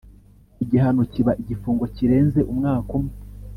igihano kiba igifungo kirenze umwaka umwe